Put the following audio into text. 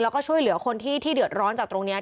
แล้วก็ช่วยเหลือคนที่เดือดร้อนจากตรงนี้